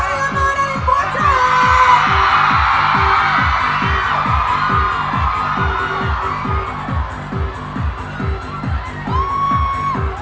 กรอบใช้ได้อีกพวก